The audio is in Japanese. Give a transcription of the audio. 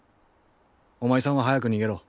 おまいさんは早く逃げろ。